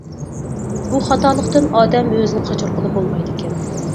بۇ خاتالىقتىن ئادەم ئۆزىنى قاچۇرغىلى بولمايدىكەن.